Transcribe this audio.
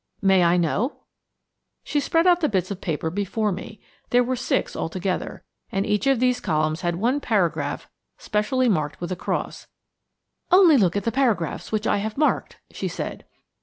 "May I know?" She spread out the bits of paper before me. There were six altogether, and each of these columns had one paragraph specially marked with a cross. "Only look at the paragraphs which I have marked," she said.